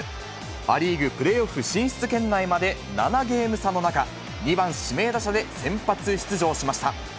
ア・リーグプレーオフ進出圏内まで７ゲーム差の中、２番指名打者で先発出場しました。